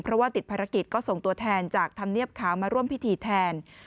เพราะว่าติดภารกิจก็ส่งตัวแทนจากธรรมเนียบขาวมาร่วมพิธีแทน